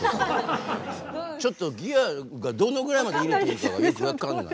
ちょっとギアがどのぐらいまで入れていいかがよく分かんない。